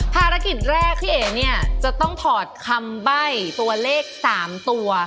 ภารกิจแรกพี่เอ๋เนี่ยจะต้องถอดคำใบ้ตัวเลข๓ตัว